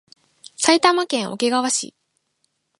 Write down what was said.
埼玉県桶川市